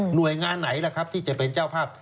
งานไหนล่ะครับที่จะเป็นเจ้าภาพ